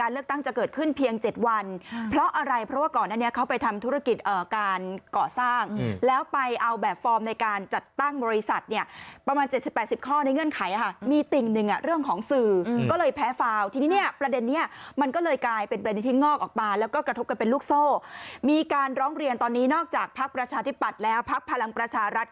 การเลือกตั้งจะเกิดขึ้นเพียง๗วันเพราะอะไรเพราะว่าก่อนนั้นเขาไปทำธุรกิจการก่อสร้างแล้วไปเอาแบบฟอร์มในการจัดตั้งบริษัทประมาณ๗๐๘๐ข้อในเงื่อนไขมีติ่งหนึ่งเรื่องของสื่อก็เลยแพ้ฟาวที่นี่ประเด็นนี้มันก็เลยกลายเป็นบรรณีที่งอกออกไปแล้วก็กระทบกันเป็นลูกโซ่มีการร้องเรียนตอนนี้นอกจากภัก